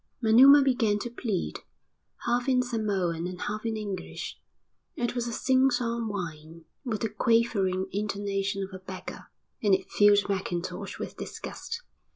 Manuma began to plead, half in Samoan and half in English. It was a sing song whine, with the quavering intonations of a beggar, and it filled Mackintosh with disgust.